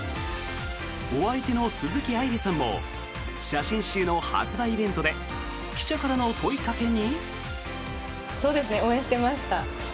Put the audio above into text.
お相手の鈴木愛理さんも写真集の発売イベントで記者からの問いかけに。